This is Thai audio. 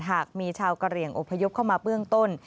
หากมีชาวกะเหลี่ยงอพยพเข้ามาเบื้องต้น